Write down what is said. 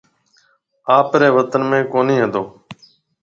آپرَي وطن ۾ ڪونهي هتو۔